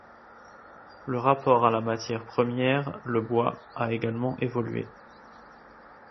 Le rapport à la matière première, le bois, a également évolué.